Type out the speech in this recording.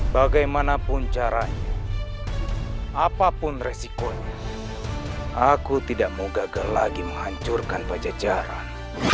bagaimanapun caranya apapun resikonya aku tidak mau gagal lagi menghancurkan pajajaran